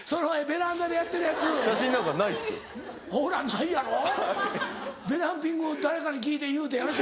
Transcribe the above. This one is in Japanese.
ベランピング誰かに聞いて言うてんやろ？